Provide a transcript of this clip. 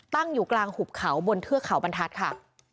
ตั้งอยู่กลางหุบเขาบนเทือกเขาบรรทัศน์ค่ะ